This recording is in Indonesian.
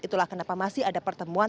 itulah kenapa masih ada pertemuan